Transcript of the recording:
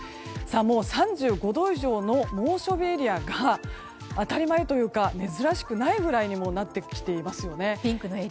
もう３５度以上の猛暑日エリアが当たり前というか珍しくないぐらいになってきていますね。